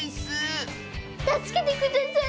たすけてください。